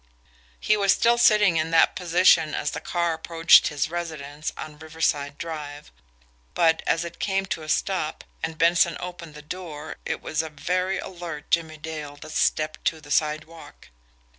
He was still sitting in that position as the car approached his residence on Riverside Drive but, as it came to a stop, and Benson opened the door, it was a very alert Jimmie Dale that stepped to the sidewalk.